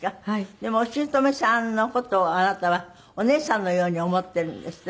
でもお姑さんの事をあなたはお姉さんのように思っているんですって？